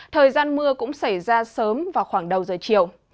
thời gian mưa cũng xảy ra sớm vào khoảng đầu giờ chiều